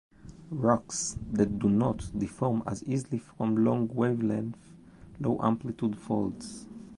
Rocks that do not deform as easily form long-wavelength, low-amplitude folds.